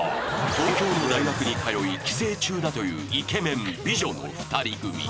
東京の大学に通い帰省中だというイケメン美女の２人組